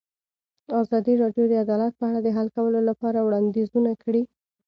ازادي راډیو د عدالت په اړه د حل کولو لپاره وړاندیزونه کړي.